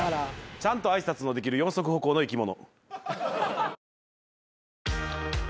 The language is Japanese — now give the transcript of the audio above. ちゃんと挨拶のできる四足歩行の生き物。